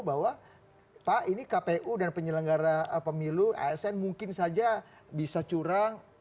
bahwa pak ini kpu dan penyelenggara pemilu asn mungkin saja bisa curang